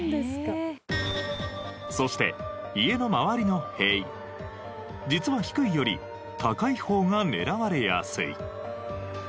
そして家の周りの塀実は低いより高い方が狙われやすい。